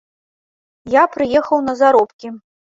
Я прыехаў на заробкі.